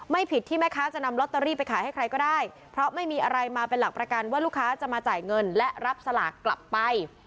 ผิดที่แม่ค้าจะนำลอตเตอรี่ไปขายให้ใครก็ได้เพราะไม่มีอะไรมาเป็นหลักประกันว่าลูกค้าจะมาจ่ายเงินและรับสลากกลับไป